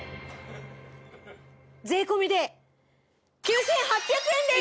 税込で９８００円です！